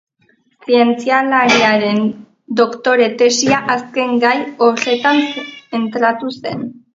Zientzialariaren doktore-tesia azken gai horretan zentratu zen.